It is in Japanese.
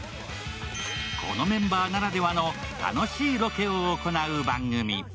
このメンバーならではの楽しいロケを行う番組。